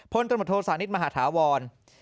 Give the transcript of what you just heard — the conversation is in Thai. ตมโทษานิทมหาฐาวร